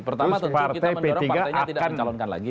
pertama tentu kita mendorong partainya tidak mencalonkan lagi